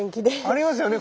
ありますよね。